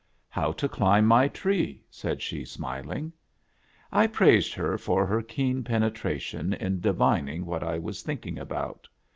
" How to climb my tree," said she, smiling. I praised her for her keen penetration in divining what I was thinking about.